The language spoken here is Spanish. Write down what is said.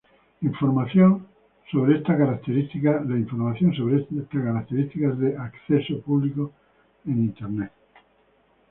Información acerca de esta característica es de acceso público en Internet.